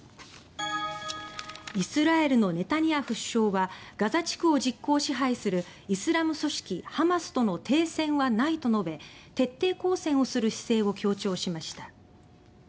イスラエルのネタニヤフ首相はガザ地区を実効支配するイスラム組織ハマスとの停戦はないと述べ徹底抗戦をする姿勢を強調しました。